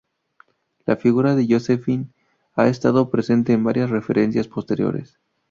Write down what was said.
La figura de Josephine ha estado presente en varias referencias posteriores.